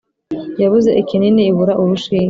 Yabuze ikinini ibura urushinge